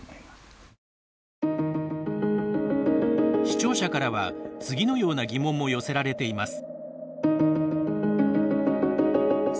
視聴者からは次のような疑問も寄せられています。